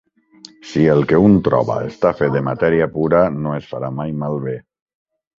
Si el que un troba està fet de matèria pura, no es farà mai malbé.